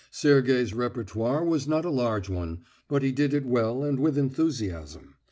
Sergey's repertoire was not a large one, but he did it well and with enthusiasm.